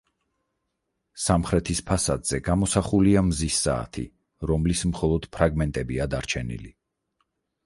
სამხრეთის ფასადზე გამოსახულია მზის საათი, რომლის მხოლოდ ფრაგმენტებია დარჩენილი.